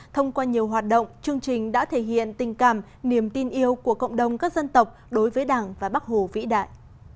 thông qua nhiều hoạt động chương trình đã thể hiện tình cảm niềm tin yêu của cộng đồng các dân tộc đối với đảng và bắc hồ vĩ đại